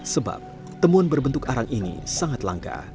sebab temuan berbentuk arang ini sangat langka